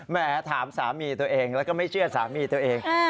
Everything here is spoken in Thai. แหมถามสามีตัวเองแล้วก็ไม่เชื่อสามีตัวเอง